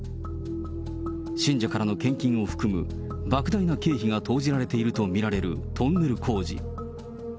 信者からの献金を含む、ばく大な経費が投じられていると見られるトンネル工事。